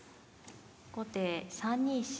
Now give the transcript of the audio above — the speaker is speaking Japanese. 後手３二飛車。